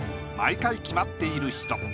毎回決まっている人。